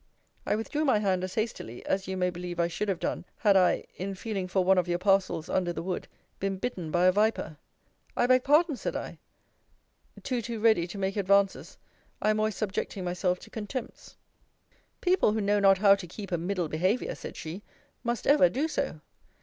I withdrew my hand as hastily, as you may believe I should have done, had I, in feeling for one of your parcels under the wood, been bitten by a viper. I beg pardon, said I, Too too ready to make advances, I am always subjecting myself to contempts. People who know not how to keep a middle behaviour, said she, must ever do so.